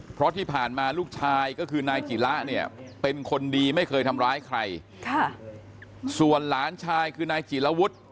เพราะที่ผ่านมาลูกชายก็คือนายจิระเนี่ยเป็นคนดีไม่เคยทำร้ายใครส่วนหลานชายคือนายจิลวุฒิ